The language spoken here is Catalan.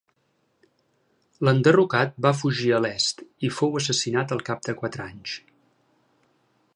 L'enderrocat va fugir a l'est i fou assassinat al cap de quatre anys.